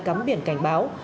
cấm biển cảnh báo